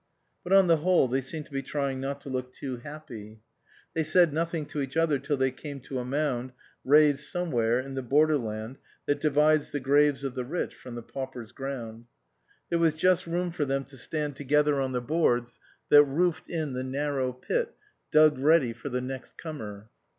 But on the whole they seemed to be trying not to look too happy. They said nothing to each other till they came to a mound raised somewhere in the borderland that divides the graves of the rich from the paupers' ground. There was just room for them to stand together on the boards that roofed in the narrow pit dug ready for the next comer.